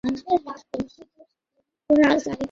Laura, কি অসাধারণ surprise!